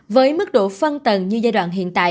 với mức độ phân tầng như giai đoạn hiện tại